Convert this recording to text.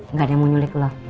nggak ada yang mau nyulik lah